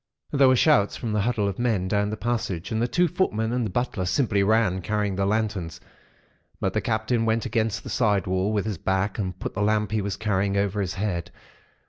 "There were shouts from the huddle of men down the passage, and the two footmen and the butler simply ran, carrying their lanterns, but the Captain went against the side wall with his back and put the lamp he was carrying over his head.